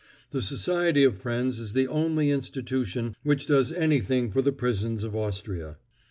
The Society of Friends is the only institution which does anything for the prisons of Austria.